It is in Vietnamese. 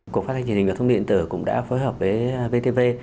cuộc phát thanh truyền hình và thông điện tử cũng đã phối hợp với vtv